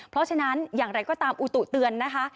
เพราะฉะนั้นอย่างไรก็ตามอุตุเตือนนะคะ